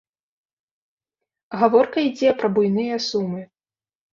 Гаворка ідзе пра буйныя сумы.